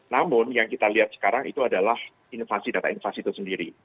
namun yang kita lihat sekarang itu adalah inovasi data inflasi itu sendiri